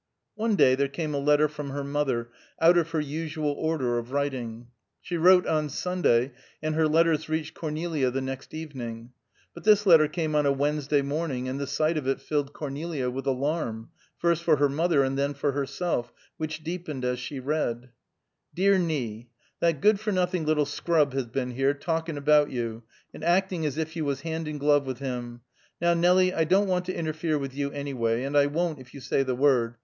One day there came a letter from her mother out of her usual order of writing; she wrote on Sunday, and her letters reached Cornelia the next evening; but this letter came on a Wednesday morning, and the sight of it filled Cornelia with alarm, first for her mother, and then for herself; which deepened as she read: "DEAR NIE: That good for nothing little scrub has been here, talken aboute you, and acting as if you was hand and glove with him. Now Nelie, I don't want to interfere with you anyway and I won't if you say the word.